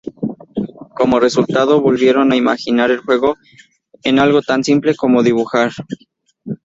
Como resultado, volvieron a imaginar el juego en algo tan simple como dibujar.